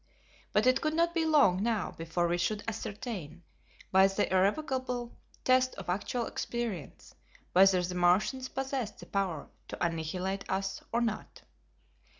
But it could not be long now before we should ascertain, by the irrevocable test of actual experience, whether the Martians possessed the power to annihilate us or not.